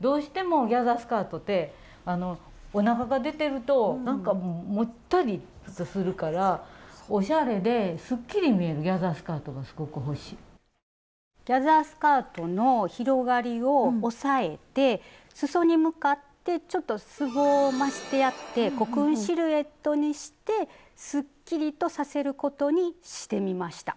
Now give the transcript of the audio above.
どうしてもギャザースカートってあのおなかが出てるとなんかもったりするからスタジオギャザースカートの広がりを抑えてすそに向かってちょっとすぼましてやってコクーンシルエットにしてすっきりとさせることにしてみました。